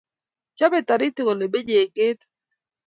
Chobe taritik olemenye eng ketik